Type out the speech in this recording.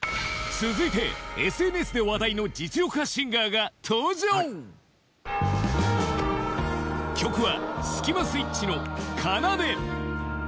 続いて ＳＮＳ で話題の実力派シンガーが登場曲は